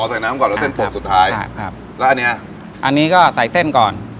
ใส่น้ำก่อนแล้วเส้นตัวสุดท้ายครับแล้วอันเนี้ยอันนี้อันนี้ก็ใส่เส้นก่อน